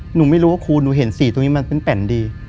หนูไม่รู้ว่าครูหนูเห็นสีตรงนี้มันเป็นแป่นดี